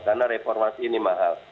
karena reformasi ini mahal